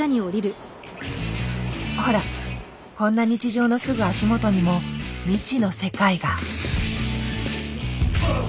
ほらこんな日常のすぐ足元にも未知の世界が。